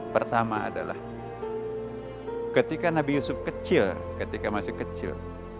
pertama adalah ketika nabi yusuf kecil ketika masih kecil